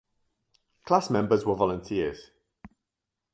Class members were volunteers.